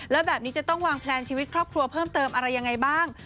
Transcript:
แล้วแบบนี้จะต้องวางแพลนชีวิตครอบครัวเพิ่มเติมอะไรยังไงบ้าง